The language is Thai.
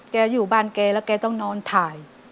อยู่บ้านแกแล้วแกต้องนอนถ่าย